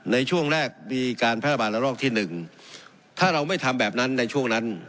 ในช่วงแรกมีการแพร่ระบาดระลอกที่หนึ่งถ้าเราไม่ทำแบบนั้นในช่วงนั้น